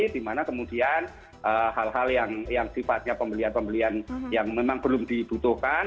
dimana kemudian hal hal yang sifatnya pembelian pembelian yang memang belum dibutuhkan